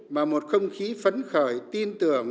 mà một không khí phấn khởi tin tưởng